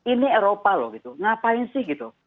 ini eropa loh ngapain sih